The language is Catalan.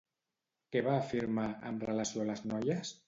Què va afirmar, amb relació a les noies?